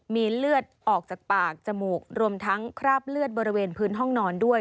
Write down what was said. มีเลือดออกจากปากจมูกรวมทั้งคราบเลือดบริเวณพื้นห้องนอนด้วย